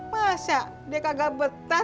masa dia kagak betah